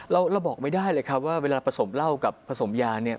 เราบอกไม่ได้เลยครับว่าเวลาผสมเหล้ากับผสมยาเนี่ย